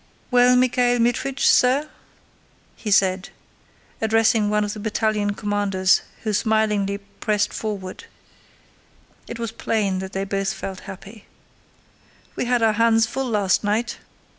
"Well, Michael Mítrich, sir?" he said, addressing one of the battalion commanders who smilingly pressed forward (it was plain that they both felt happy). "We had our hands full last night.